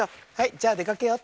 じゃあでかけよう。